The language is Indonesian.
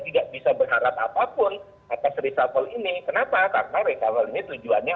tidak bisa berharap apapun atas reshuffle ini kenapa karena reshuffle ini tujuannya